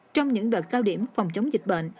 trong những đợt cao điểm phòng chống dịch bệnh